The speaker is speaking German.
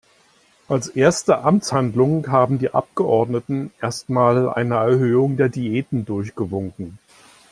Als erste Amtshandlung haben die Abgeordneten erst mal eine Erhöhung der Diäten durchgewunken.